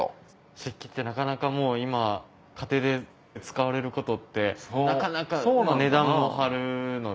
漆器ってなかなかもう今家庭で使われることってなかなか値段も張るので。